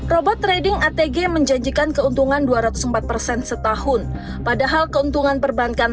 robot trading atg menjanjikan keuntungan dua ratus empat persen setahun padahal keuntungan perbankan